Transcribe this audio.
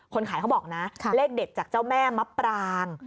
คนขายเขาบอกนะเลขเด็ดจากเจ้าแม่มะปราง